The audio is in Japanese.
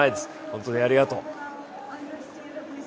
本当にありがとう。